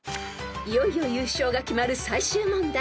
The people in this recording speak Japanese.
［いよいよ優勝が決まる最終問題］